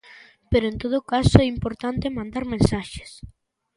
Pero en todo caso é importante mandar mensaxes.